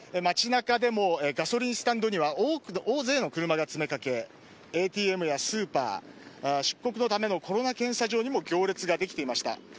街中でもガソリンスタンドには大勢の車が詰め掛けＡＴＭやスーパー出国のためのコロナ検査場にも行列ができていました。